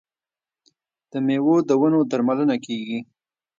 د میوو د ونو درملنه کیږي.